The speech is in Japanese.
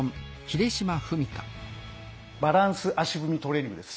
バランス足踏みトレーニングです！